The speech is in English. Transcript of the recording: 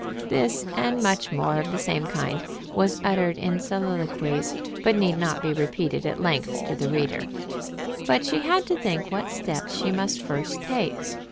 This and much more of the same kind was uttered in soliloquies, but need not be repeated at length to the reader. But she had to think what steps she must first take.